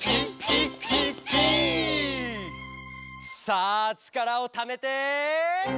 「さあちからをためて！」